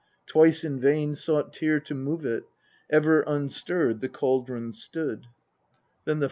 Twice in vain sought Tyr to move it ; ever unstirred the cauldron stood. HYMISKVIPA.